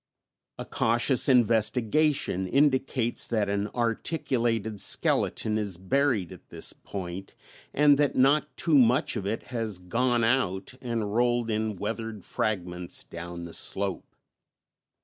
A cautious investigation indicates that an articulated skeleton is buried at this point, and that not too much of it has "gone out" and rolled in weathered fragments down the slope.